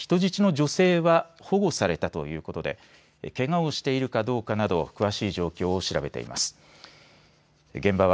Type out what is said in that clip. また、人質の女性は保護されたということでけがをしているかどうかなど詳しい状況を調べています。